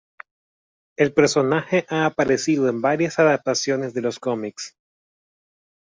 El personaje ha aparecido en varias adaptaciones de los cómics.